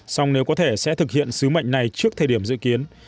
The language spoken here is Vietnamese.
song nếu có thể sẽ thực hiện sứ mệnh này trước thời điểm dự kiến